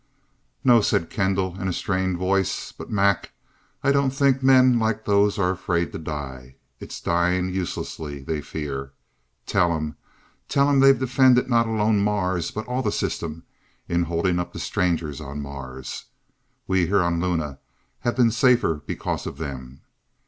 "No," said Kendall in a strained voice. "But, Mac, I don't think men like those are afraid to die. It's dying uselessly they fear. Tell 'em tell 'em they've defended not alone Mars, but all the system, in holding up the Strangers on Mars. We here on Luna have been safer because of them.